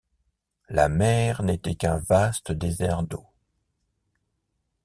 La mer n’était qu’un vaste désert d’eau